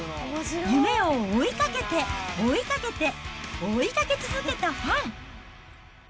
夢を追いかけて、追いかけて、追いかけ続けたファン。